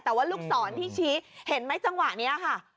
แต่ว่าลูกศรที่ชี้เห็นไหมจังหวะนี้ค่ะ